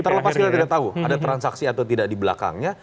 terlepas kita tidak tahu ada transaksi atau tidak di belakangnya